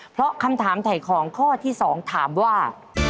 เพราะคำถามถ่ายของข้อที่๒ถามว่า